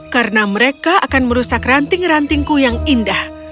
karena mereka akan merusak ranting rantingku yang indah